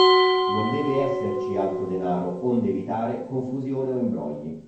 Non deve esserci altro denaro onde evitare confusione o imbrogli.